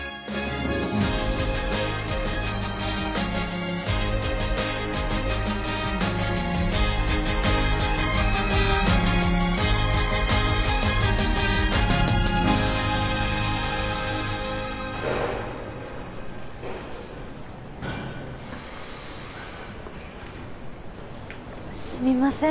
うんすみません